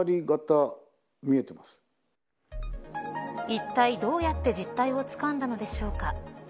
いったい、どうやって実態をつかんだのでしょうか。